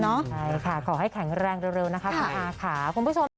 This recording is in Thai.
ใช่ค่ะขอให้แข็งแรงเร็วนะคะคุณผู้ชม